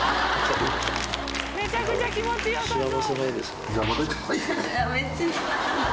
めちゃくちゃ気持ちよさそう。